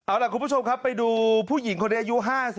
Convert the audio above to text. เอาล่ะคุณผู้ชมครับไปดูผู้หญิงคนนี้อายุ๕๐